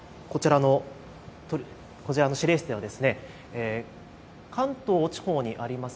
こちらの司令室では関東地方にあります